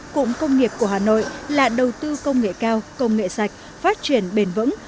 cụm công nghiệp của hà nội là đầu tư công nghệ cao công nghệ sạch phát triển bền vững